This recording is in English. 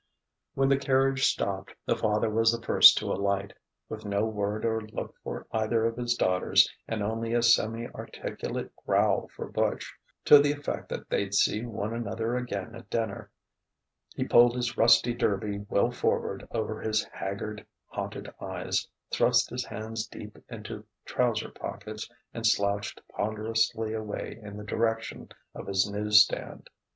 When the carriage stopped, the father was the first to alight. With no word or look for either of his daughters, and only a semi articulate growl for Butch, to the effect that they'd see one another again at dinner, he pulled his rusty derby well forward over his haggard, haunted eyes, thrust his hands deep into trouser pockets, and slouched ponderously away in the direction of his news stand.